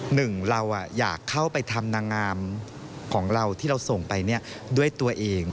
หนึ่งเราอยากเข้าไปทำนางงามของเราที่เราส่งไปด้วยตัวเอง